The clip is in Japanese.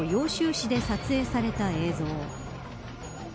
市で撮影された映像。